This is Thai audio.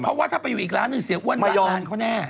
เพราะว่าถ้าไปอยู่อีกร้านหนึ่งเสียอ้วนไม่นานเขาแน่